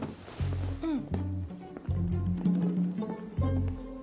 うん。